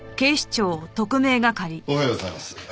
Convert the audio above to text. おはようございます。